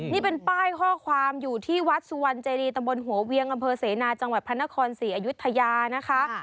นี่เป็นป้ายข้อความอยู่ที่วัดสุวรรณเจรีตำบลหัวเวียงอำเภอเสนาจังหวัดพระนครศรีอยุธยานะคะ